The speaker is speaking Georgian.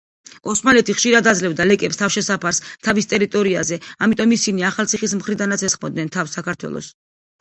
ოსმალეთი ხშირად აძლევდა ლეკებს თავშესაფარს თავის ტერიტორიაზე, ამიტომ ისინი ახალციხის მხრიდანაც ესხმოდნენ თავს საქართველოს.